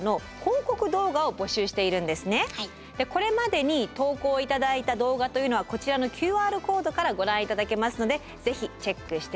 これまでに投稿頂いた動画というのはこちらのＱＲコードからご覧頂けますのでぜひチェックして下さい。